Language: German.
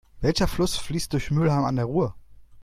Welcher Fluss fließt durch Mülheim an der Ruhr?